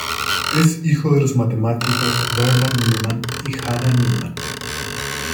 Es hijo de los matemáticos Bernhard Neumann y Hanna Neumann.